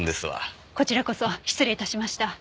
こちらこそ失礼致しました。